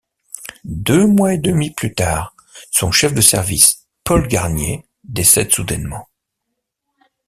Deux mois et demi plus tard, son chef de service, Paul Garnier, décède soudainement.